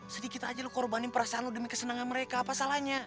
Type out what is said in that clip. sedikit aja lo korbanin perasaan lo demi kesenangan mereka apa salahnya